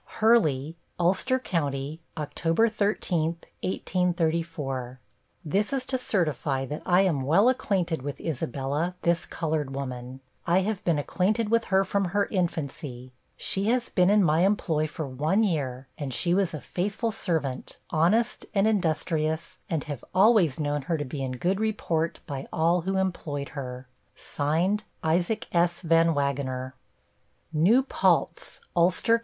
HURLEY, ULSTER Co., Oct. 13th, 1834 This is to certify, that I am well acquainted with Isabella, this colored woman; I have been acquainted with her from her infancy; she has been in my employ for one year, and she was a faithful servant, honest, and industrious; and have always known her to be in good report by all who employed her. ISAAC S. VAN WAGENEN NEW PALTZ, ULSTER Co.